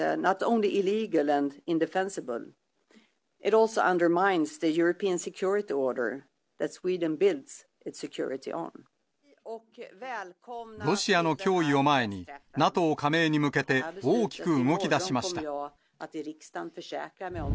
ロシアの脅威を前に、ＮＡＴＯ加盟に向けて、大きく動きだしました。